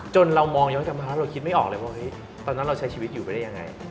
เรามองย้อนกลับมาแล้วเราคิดไม่ออกเลยว่าเฮ้ยตอนนั้นเราใช้ชีวิตอยู่ไปได้ยังไง